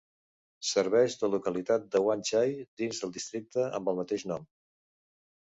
Serveix la localitat de Wan Chai dins del districte amb el mateix nom.